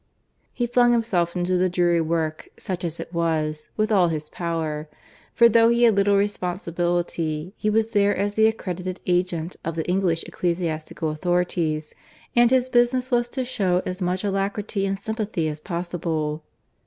He flung himself into the dreary work, such as it was, with all his power; for though he had little responsibility, he was there as the accredited agent of the English ecclesiastical authorities, and his business was to show as much alacrity and sympathy as possible.